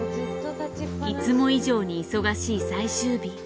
いつも以上に忙しい最終日。